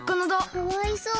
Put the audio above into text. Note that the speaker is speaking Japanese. かわいそう。